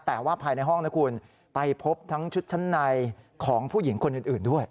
แต่ว่าภายในห้องนะคุณไปพบทั้งชุดชั้นในของผู้หญิงคนอื่นด้วย